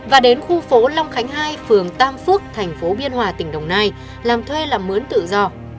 và đến khu phố long khánh hai phường tam phước thành phố biên hòa tỉnh đồng nai làm thuê làm mướn tự do